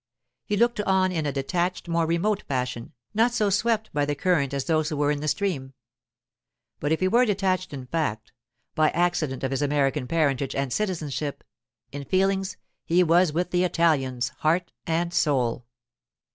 He looked on in a detached, more remote fashion, not so swept by the current as those who were in the stream. But if he were detached in fact—by accident of his American parentage and citizenship—in feelings he was with the Italians heart and soul.